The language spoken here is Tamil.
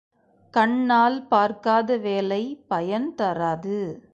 கண்ணால் பார்க்காத வேலை பயன் தராது.